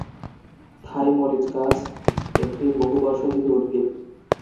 থাই মরিচ গাছ একটি বহুবর্ষজীবী উদ্ভিদ।